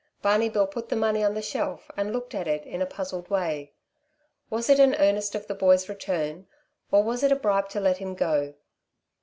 Barney Bill put the money on the shelf and looked at it in a puzzled way. Was it an earnest of the boy's return, or was it a bribe to let him go?